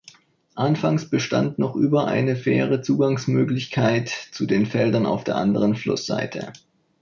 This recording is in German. Anfangs bestand noch über eine Fähre Zugangsmöglichkeit zu den Feldern auf der anderen Flussseite.